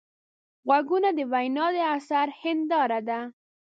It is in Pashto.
غوږونه د وینا د اثر هنداره ده